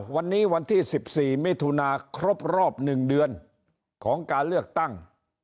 วันนี้วันที่๑๔มิถุนาครบรอบ๑เดือนของการเลือกตั้ง